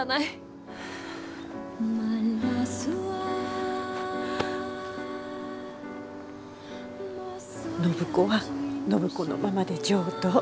暢子は暢子のままで上等。